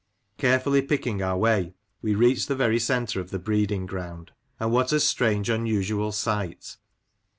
Carefully picking our way, we reached the very centre of the breeding ground; and what a strange, unusual sight!